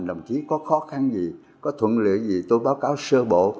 đồng chí có khó khăn gì có thuận liệu gì tôi báo cáo sơ bộ